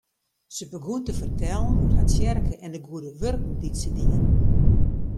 Se begûn te fertellen oer har tsjerke en de goede wurken dy't se dienen.